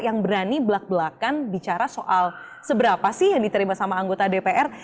yang berani belak belakan bicara soal seberapa sih yang diterima sama anggota dpr